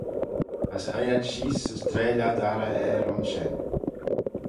As hoie ad sheese as dreill ad arrey er ayns shen.